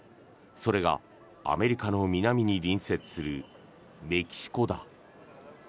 それがアメリカの南に隣接するメキシコだ。